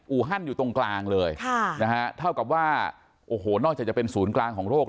อูฮั่นอยู่ตรงกลางเลยเท่ากับว่านอกจะเป็นศูนย์กลางของโรค